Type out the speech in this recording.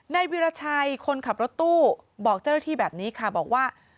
วิราชัยคนขับรถตู้บอกเจ้าหน้าที่แบบนี้ค่ะบอกว่า